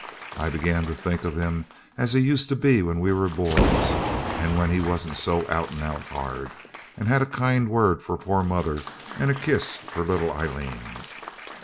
I began to think of him as he used to be when we were boys, and when he wasn't so out and out hard and had a kind word for poor mother and a kiss for little Aileen.